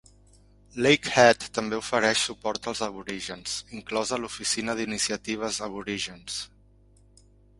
Lakehead també ofereix suport als aborígens, inclosa l'Oficina d'Iniciatives Aborígens.